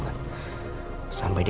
ya aku juga avatar